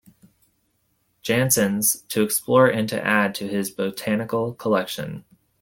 Janssens to explore and to add to his botanical collection.